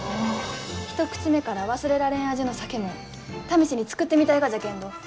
一口目から忘れられん味の酒も試しに造ってみたいがじゃけんど。